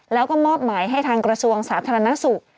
แล้วก็มอบหมายให้ทางกระทรวงสาธารณสุข